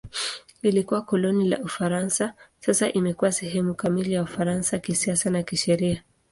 Ilikuwa koloni la Ufaransa; sasa imekuwa sehemu kamili ya Ufaransa kisiasa na kisheria.